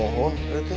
mohon nek tuh